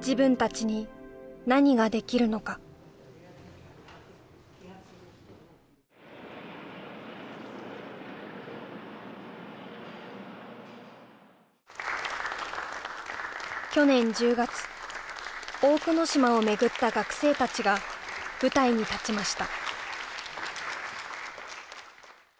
自分たちに何ができるのか去年１０月大久野島を巡った学生たちが舞台に立ちました